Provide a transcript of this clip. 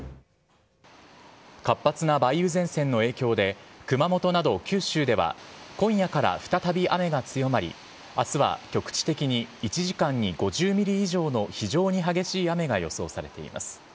活発な梅雨前線の影響で、熊本など九州では、今夜から再び雨が強まり、あすは局地的に１時間に５０ミリ以上の非常に激しい雨が予想されています。